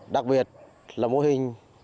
đặc biệt là mô hình